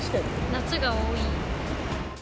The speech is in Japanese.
夏が多い。